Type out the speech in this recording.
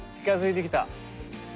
近づいてきた。